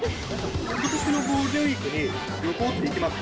ことしのゴールデンウィークに旅行って行きます？